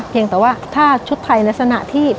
เพียงแต่ว่าถ้าชุดไทยในลักษณะที่